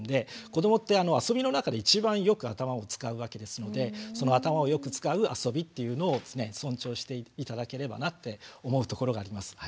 子どもって遊びの中で一番よく頭を使うわけですのでその頭をよく使う遊びっていうのをですね尊重して頂ければなって思うところがあります。